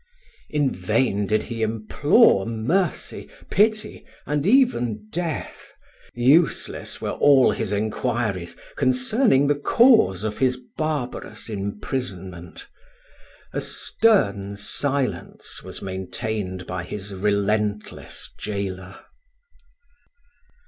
In vain did he implore mercy, pity, and even death: useless were all his enquiries concerning the cause of his barbarous imprisonment a stern silence was maintained by his relentless gaoler.